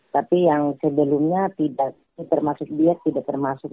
tapi yang sebelumnya tidak termasuk diet tidak termasuk